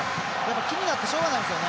気になってしょうがないんですよ。